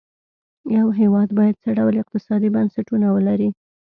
یو هېواد باید څه ډول اقتصادي بنسټونه ولري.